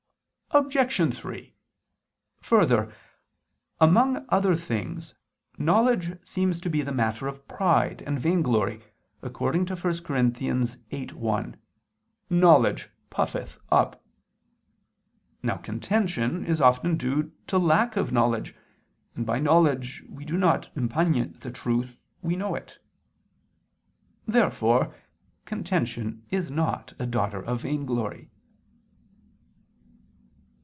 Obj. 3: Further, among other things knowledge seems to be the matter of pride and vainglory, according to 1 Cor. 8:1: "Knowledge puffeth up." Now contention is often due to lack of knowledge, and by knowledge we do not impugn the truth, we know it. Therefore contention is not a daughter of vainglory.